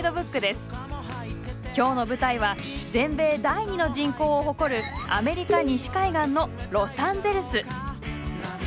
今日の舞台は全米第２の人口を誇るアメリカ西海岸のロサンゼルス。